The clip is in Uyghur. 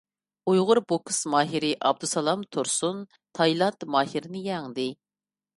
ئۇيغۇر بوكس ماھىرى ئابدۇسالام تۇرسۇن تايلاند ماھىرىنى يەڭدى.